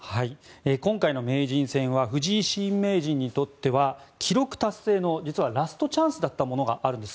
今回の名人戦は藤井新名人にとっては記録達成の実はラストチャンスだったものがあるんです。